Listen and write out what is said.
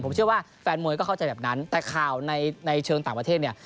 ผมเชื่อว่าแฟนมวยก็เข้าใจแบบนั้นแต่ข่าวในเชิงต่างประเทศเนี่ย